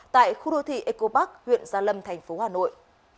tại khu đô thị eco park huyện gia lâm thành phố hà nội